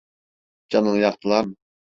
Canını yaktılar mı?